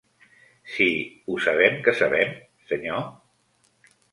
Sí, ho sabem, què sabem, senyor?